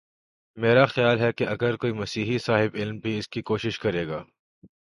میرا خیال ہے کہ اگر کوئی مسیحی صاحب علم بھی اس کی کوشش کرے گا۔